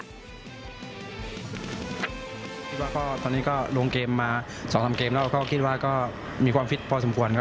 คิดว่าก็ตอนนี้ก็ลงเกมมา๒๓เกมแล้วก็คิดว่าก็มีความฟิตพอสมควรครับ